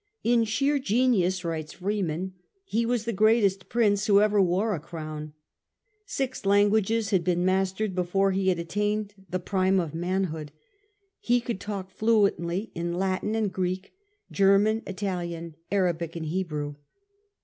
" In sheer genius," writes Freeman, " he was the greatest prince who ever wore a crown." Six languages had been mastered before he had attained the prime of manhood : he could talk fluently in Latin and Greek, German, THE YEARS OF SOLACE 117 Italian, Arabic and Hebrew.